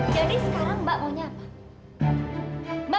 jadi sekarang mbak maunya apa